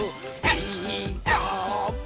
「ピーカーブ！」